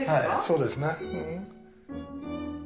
そうですね。